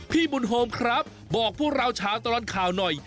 พี่บุญโฮมครับบอกพวกเราชาวตลอดข่าวหน่อย